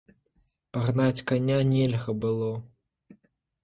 Пагнаць каня нельга было.